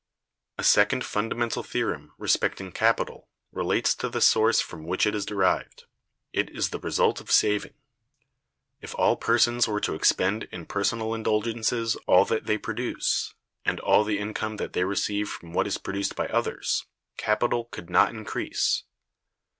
A second fundamental theorem respecting capital relates to the source from which it is derived. It is the result of saving. If all persons were to expend in personal indulgences all that they produce, and all the income that they receive from what is produced by others, capital could not increase.